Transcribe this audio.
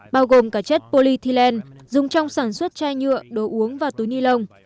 bao gồm cả chất polyethylene dùng trong sản xuất chai nhựa đồ uống và túi ni lông